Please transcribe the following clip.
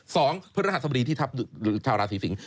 สองเพื่อนราหารสวดีที่ทับชาวราศรีสิงศ์